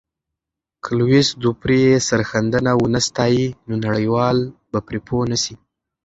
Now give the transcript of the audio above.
که لويس دوپري یې سرښندنه ونه ستایي، نو نړیوال به پرې پوه نه سي.